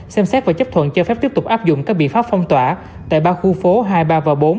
xem xét và chấp thuận cho phép tiếp tục áp dụng các biện pháp phong tỏa tại ba khu phố hai mươi ba và bốn